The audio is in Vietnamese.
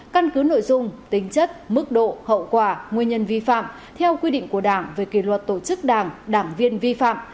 căn cứ nội dung tính chất mức độ hậu quả nguyên nhân vi phạm theo quy định của đảng về kỷ luật tổ chức đảng đảng viên vi phạm